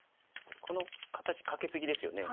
この形カケツギですよね。